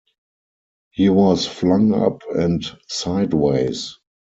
He was flung up and sideways.